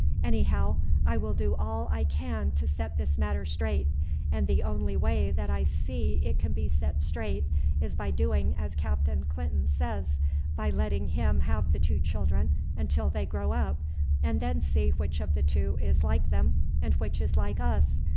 Anyhow, I will do all I can to set this matter straight, and the only way that I see it can be set straight is by doing as Captain Clinton says by letting him have the two children until they grow up, and then see which of the two is like them and which is like us.